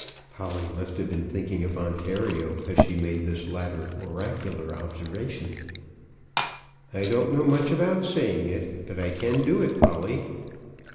Polly must have been thinking of Ontario as she made this latter oracular observation. "I don't know much about saying it; but I can do it, Polly."